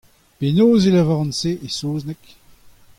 Penaos e lavaran se e saozneg ?